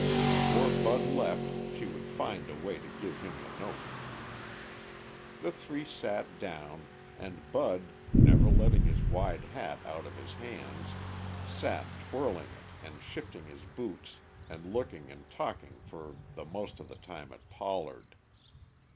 Before Bud left she would find a way to give him the note. The three sat down, and Bud, never letting his wide hat out of his hands, sat twirling it and shifting his boots and looking and talking for the most of the time at Pollard.